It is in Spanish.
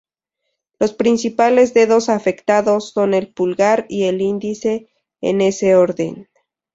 Los principales dedos afectados son el pulgar y el índice, en ese orden.